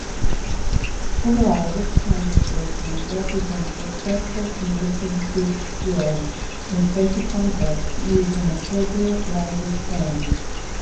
Overall, this conversation represents successful communicative skill in social contexts using appropriate language forms.